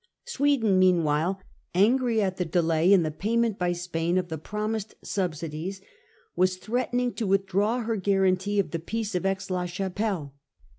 Sweden meanwhile, angry at the delay in the payment by Spain of the promised subsidies, was threatening to withdraw her guarantee of the Peace of Aix la Chapelle.